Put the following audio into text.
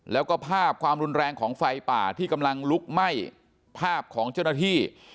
แล้วก็ภาพความรุนแรงของไฟป่าที่กำลังลุกไหม้ภาพของเจ้าหน้าที่